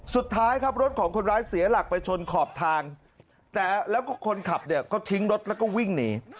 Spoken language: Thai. สุดท้ายครับรถของคนร้ายเสียหลักไปชนขอบทางแต่แล้วก็คนขับเนี่ยก็ทิ้งรถแล้วก็วิ่งหนี